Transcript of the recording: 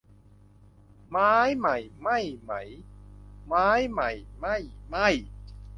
ไม้ใหม่ไหม้มั้ย ไม้ใหม่ไม่ไหม้